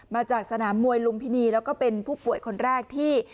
มาจากสนามมวยลุมพินีแล้วก็เป็นผู้ป่วยคนแรกที่